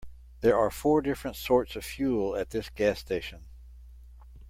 There are four different sorts of fuel at this gas station.